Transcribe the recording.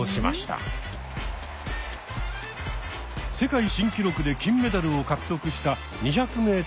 世界新記録で金メダルを獲得した２００ｍのレース。